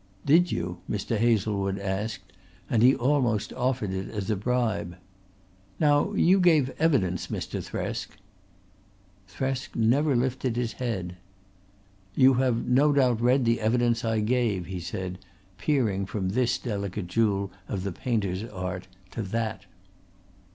"Did you?" Mr. Hazlewood asked and he almost offered it as a bribe. "Now you gave evidence, Mr. Thresk." Thresk never lifted his head. "You have no doubt read the evidence I gave," he said, peering from this delicate jewel of the painter's art to that.